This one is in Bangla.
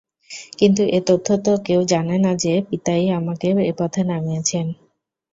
কিন্তু এ তথ্য তো কেউ জানে না যে, পিতাই আমাকে এ পথে নামিয়েছেন।